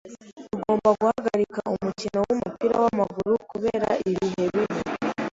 Tugomba guhagarika umukino wumupira wamaguru kubera ibihe bibi.